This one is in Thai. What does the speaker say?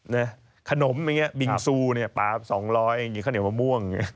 แบบขนมบิงซู๒๐๐บาทเข้าเหนี่ยมะม่วง